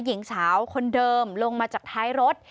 หญิงสาวคนเดิมลงมาจากท้ายรถ